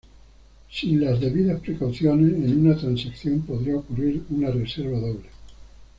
Sin las debidas precauciones, en una transacción podría ocurrir una reserva doble.